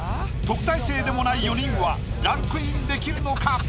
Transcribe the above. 特待生でもない４人はランクインできるのか？